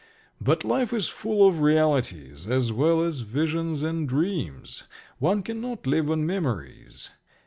But life is full of realities as well as visions and dreams. One cannot live on memories.